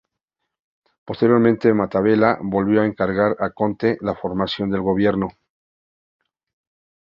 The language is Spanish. Posteriormente Mattarella volvió a encargar a Conte la formación del gobierno.